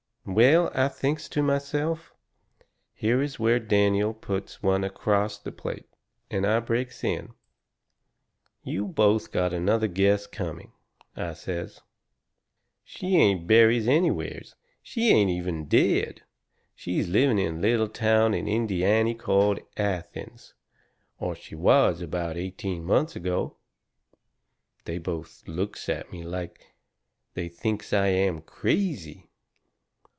Well, I thinks to myself, here is where Daniel puts one acrost the plate. And I breaks in: "You both got another guess coming," I says. "She ain't buried anywheres. She ain't even dead. She's living in a little town in Indiany called Athens or she was about eighteen months ago." They both looks at me like they thinks I am crazy.